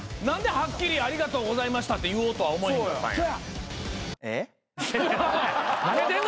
何ではっきり「ありがとうございました」って言おうとは思えへんかったんや。